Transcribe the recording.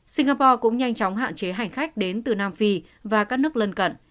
singapore cũng nhanh chóng hạn chế hành khách đến từ nam phi và các nước lân cận